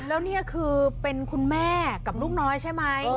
แล้วนี่คือเป็นคุณแม่กับลูกน้อยใช่ไหม